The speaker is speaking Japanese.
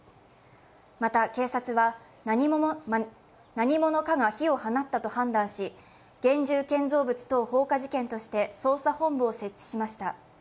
また、警察は何者かが火を放ったと判断し、現住建造物等放火事件として捜査本部を設置しました。